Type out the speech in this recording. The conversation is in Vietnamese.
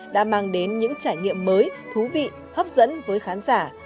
đã mang đến những trải nghiệm mới thú vị hấp dẫn